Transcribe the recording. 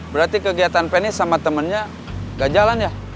berarti kegiatan penny sama temennya gak jalan ya